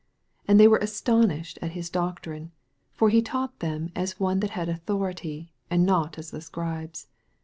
22 And they were astonished at his doctrine : for he taught them as one that had authority, and not as the Scribes.